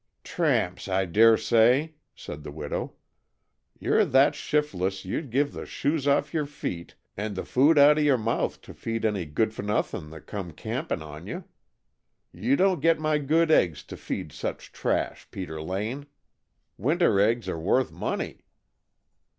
"Tramps, I dare say," said the widow. "You 're that shiftless you'd give the shoes off your feet and the food out of your mouth to feed any good for nothing that come camping on you. You don't get my good eggs to feed such trash, Peter Lane! Winter eggs are worth money."